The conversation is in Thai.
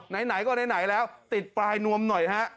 ไหนก็ไหนแล้วติดปลายนวมหน่อยฮะ